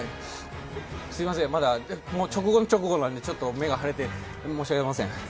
すいません、まだ直後の直後なので目が腫れて、申し訳ございません。